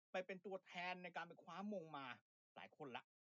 ไปเป็นตัวแทนในการไปคว้ามงมาหลายคนแล้ว